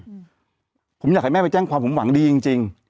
อืมผมอยากให้แม่ไปแจ้งความผมหวังดีจริงจริง